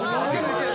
いける。